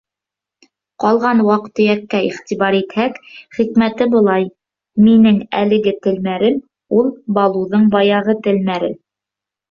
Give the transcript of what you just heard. Ҡалған ваҡ-төйәккә иғтибар итһәк, хикмәте былай: минең әлеге телмәрем — ул Балуҙың баяғы телмәре.